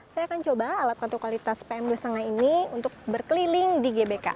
saya akan coba alat untuk kualitas pm dua lima ini untuk berkeliling di gbk